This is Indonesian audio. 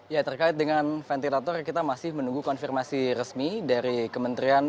ya terkait dengan ventilator kita masih menunggu konfirmasi resmi dari kementerian